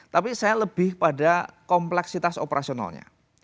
tapi saya lebih pada kompleksitas operasionalnya